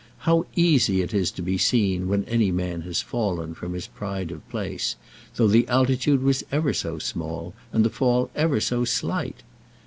How easy it is to be seen when any man has fallen from his pride of place, though the altitude was ever so small, and the fall ever so slight.